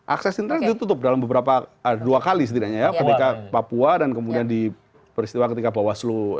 akses internet ditutup dalam beberapa dua kali setidaknya ya ketika papua dan kemudian di peristiwa ketika bawaslu